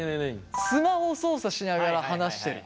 「スマホ操作しながら話してる」。